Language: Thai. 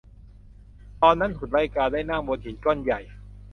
ตอนนั้นหุ่นไล่กาได้นั่งบนหินก้อนใหญ่